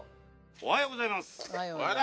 おはようございます。